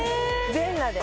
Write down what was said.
全裸で。